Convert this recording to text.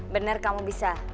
bener kamu bisa